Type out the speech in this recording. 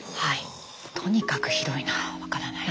とにかく広いな分からない。